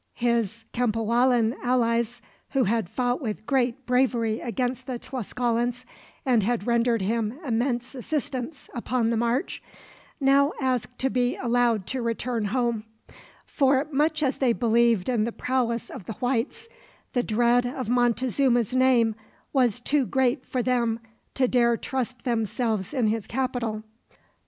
His Cempoallan allies, who had fought with great bravery against the Tlascalans, and had rendered him immense assistance upon the march, now asked to be allowed to return home; for much as they believed in the prowess of the whites, the dread of Montezuma's name was too great for them to dare trust themselves in his capital.